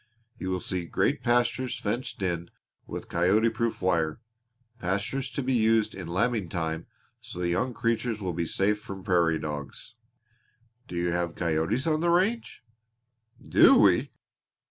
You will see great pastures fenced in with coyote proof wire pastures to be used in lambing time so the young creatures will be safe from prairie dogs." "Do you have coyotes on the range?" "Do we?